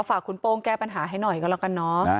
ฝากคุณโป้งแก้ปัญหาให้หน่อยก็แล้วกันเนาะ